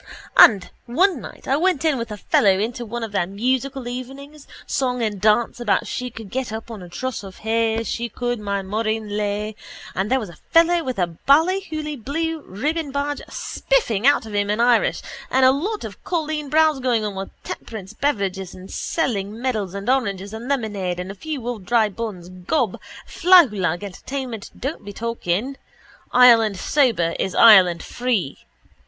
And one night I went in with a fellow into one of their musical evenings, song and dance about she could get up on a truss of hay she could my Maureen Lay and there was a fellow with a Ballyhooly blue ribbon badge spiffing out of him in Irish and a lot of colleen bawns going about with temperance beverages and selling medals and oranges and lemonade and a few old dry buns, gob, flahoolagh entertainment, don't be talking. Ireland sober is Ireland free.